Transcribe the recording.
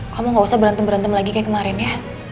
kamu gak usah berantem berantem lagi kayak kemarin ya